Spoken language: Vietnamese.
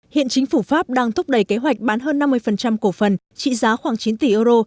hiện chính phủ pháp đang thúc đẩy kế hoạch bán hơn năm mươi cổ phần trị giá khoảng chín tỷ euro